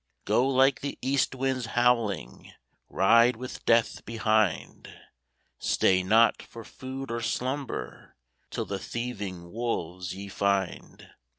Go like the east wind's howling, Ride with death behind, Stay not for food or slumber, Till the thieving wolves ye find!